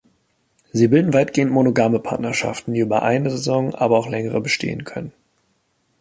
Sie bilden weitgehend monogame Partnerschaften, die über eine Saison, aber auch länger bestehen können.